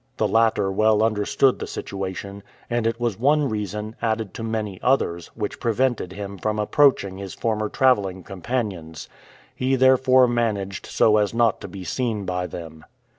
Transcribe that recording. The latter well understood the situation, and it was one reason, added to many others, which prevented him from approaching his former traveling companions. He therefore managed so as not to be seen by them.